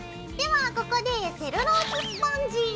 ではここでセルローススポンジ！